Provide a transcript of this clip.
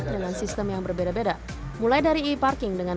dengan sistem yang berbeda beda mulai dari e parking dengan